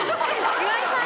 岩井さん